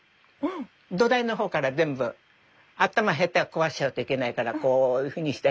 土台のほうから全部頭ヘッドは壊しちゃうといけないからこういうふうにして。